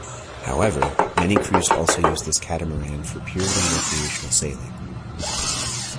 However, many crews also use this catamaran for purely recreational sailing.